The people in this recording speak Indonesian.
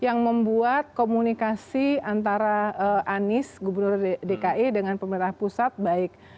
yang membuat komunikasi antara anies gubernur dki dengan pemerintah pusat baik